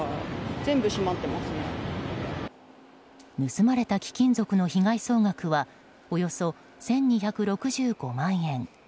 盗まれた貴金属の被害総額はおよそ１２６５万円。